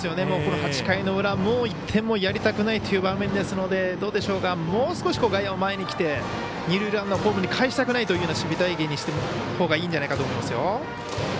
８回の裏、もう１点もやりたくないという場面ですので、どうでしょうかもう一つ外野が前にきて二塁ランナーをホームにかえしたくないという守備隊形にしたほうがいいんじゃないかと思いますよ。